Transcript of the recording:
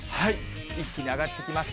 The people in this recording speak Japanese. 一気に上がってきます。